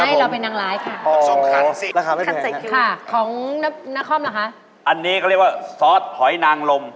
ให้เราเป็นนางร้ายค่ะของนครเหรอคะอันนี้ก็เรียกว่าซอสหอยนางลม